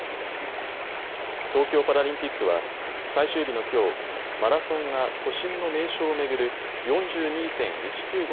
東京パラリンピックは最終日のきょう、マラソンが都心の名所を巡る４２．１９５